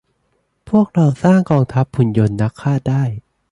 พวกเราสร้างกองทัพหุ่นยนต์นักฆ่าได้